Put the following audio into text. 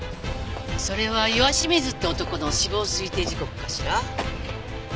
それは岩清水って男の死亡推定時刻かしら？